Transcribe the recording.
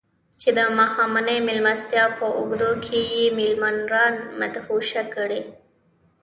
چې د ماښامنۍ مېلمستیا په اوږدو کې يې ميليونران مدهوشه کړي وو.